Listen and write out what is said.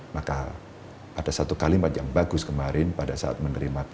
maka ada satu kalimat yang bagus kemarin pada saat menerima p tiga